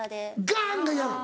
ガン！が嫌なの？